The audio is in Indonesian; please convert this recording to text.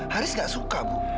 haris gak suka bu